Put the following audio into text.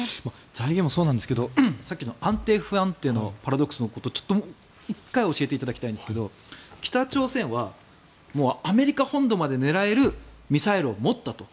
財源もそうなんですがさっきの安定・不安定のパラドックスのことをもう１回教えていただきたいんですが北朝鮮はアメリカ本土まで狙えるミサイルを持ったと。